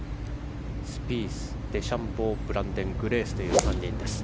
スピース、デシャンボーブランデン・グレースの３人。